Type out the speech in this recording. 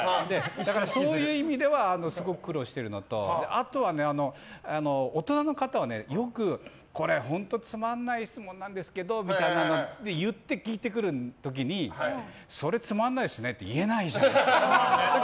だから、そういう意味ではすごく苦労してるのとあとは大人の方はよくこれ本当つまらない質問なんですけどみたいな言って聞いてくる時にそれつまんないですねって言えないじゃないですか。